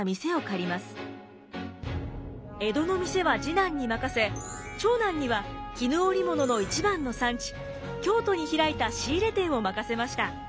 江戸の店は次男に任せ長男には絹織物の一番の産地京都に開いた仕入れ店を任せました。